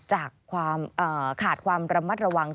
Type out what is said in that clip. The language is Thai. จากความขาดความระมัดระวัง